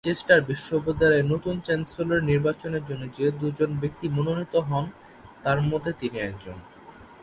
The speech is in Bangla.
ম্যানচেস্টার বিশ্ববিদ্যালয়ের নতুন চ্যান্সেলর নির্বাচনের জন্য যে দুজন ব্যক্তি মনোনিত হন, তার মধ্যে তিনি একজন।